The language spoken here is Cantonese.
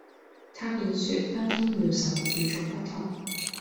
他便說「翻天妙手，與衆不同」。